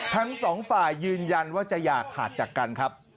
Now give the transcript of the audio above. ทั้งสองฝ่ายยืนยันว่าจะอย่าขาดจากกันครับ